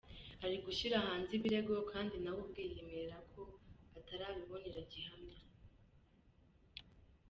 Ari gushyira hanze ibirego kandi nawe ubwe yiyemerera ko atarabibonera gihamya.